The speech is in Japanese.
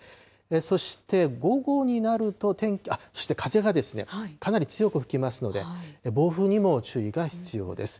そして午後になると天気、そして風がかなり強く吹きますので、暴風にも注意が必要です。